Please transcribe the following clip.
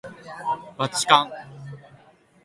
ばちかん